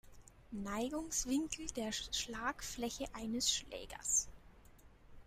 Neigungswinkel der Schlagfläche eines Schlägers.